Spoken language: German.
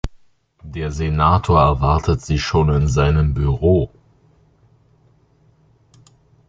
Der Senator erwartet Sie schon in seinem Büro.